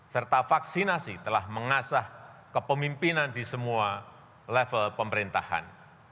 serta vaksinasi telah mengasah kepemimpinan di semua level pemerintahan